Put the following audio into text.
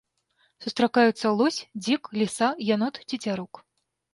Сустракаюцца лось, дзік, ліса, янот, цецярук.